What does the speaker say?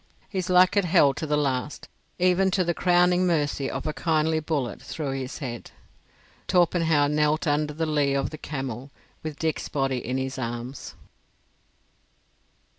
His luck had held to the last, even to the crowning mercy of a kindly bullet through his head. Torpenhow knelt under the lee of the camel, with Dick's body in his arms.